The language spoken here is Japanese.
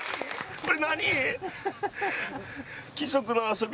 これ何？